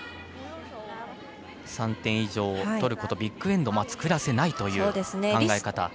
３点以上を取ることビッグエンドを作らせないという考え方。